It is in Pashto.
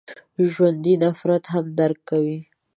ژوندي نفرت هم درک کوي